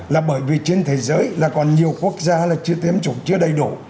là bởi vì trên thế giới là còn nhiều quốc gia là chưa tiêm chủng chưa đầy đủ